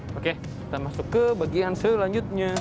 oke kita masuk ke bagian selanjutnya